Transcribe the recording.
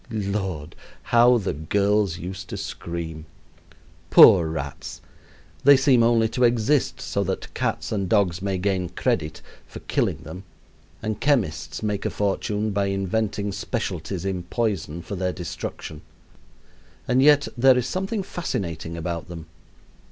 Lord! how the girls used to scream. Poor rats! They seem only to exist so that cats and dogs may gain credit for killing them and chemists make a fortune by inventing specialties in poison for their destruction. And yet there is something fascinating about them.